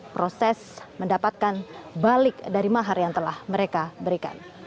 proses mendapatkan balik dari mahar yang telah mereka berikan